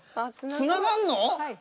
つながんの？